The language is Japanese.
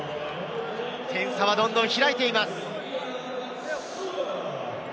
点差はどんどん開いています。